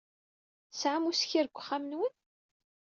Tesɛam uskir deg uxxam-nwen?